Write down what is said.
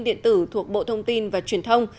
điện tử thuộc bộ thông tin và truyền thông